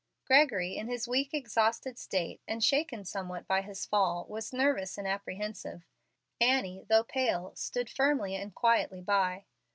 Gregory, in his weak, exhausted state, and shaken somewhat by his fall, was nervous and apprehensive. Annie, though pale, stood firmly and quietly by.